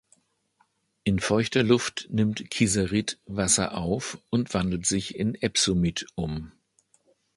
In feuchter Luft nimmt Kieserit Wasser auf und wandelt sich in Epsomit um.